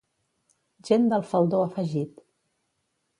Gent del faldó afegit.